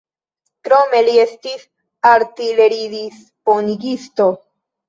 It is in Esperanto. Krome li estis artileridisponigisto.